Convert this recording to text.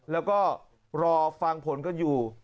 แล้วก็รอฟังผลกันอยู่